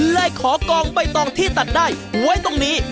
เลยขอกองใบตองที่ตัดได้ไว้ตรงนี้